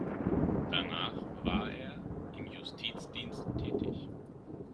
Danach war er im Justizdienst tätig.